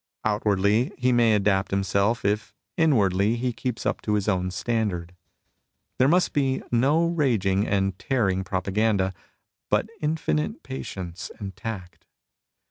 Outwardly he may adapt himself, if inwardly he keeps up to his own standard. There must be no raging and tearing propaganda, but infinite patience and tact.